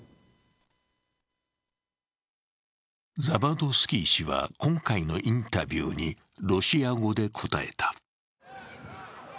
ザバドスキー氏は今回のインタビューにロシア語で答えた。